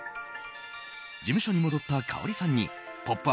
事務所に戻ったかおりさんに「ポップＵＰ！」